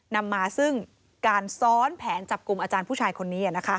นำมาซึ่งการซ้อนแผนจับกลุ่มอาจารย์ผู้ชายคนนี้